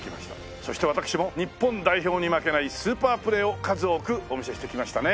そして私も日本代表に負けないスーパープレーを数多くお見せしてきましたね。